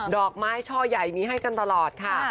ดอกไม้ช่อใหญ่มีให้กันตลอดค่ะ